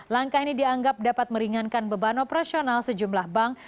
langkah ini dianggap dapat meringankan beban operasional sejumlah bank